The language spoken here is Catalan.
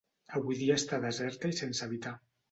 Avui dia està deserta i sense habitar.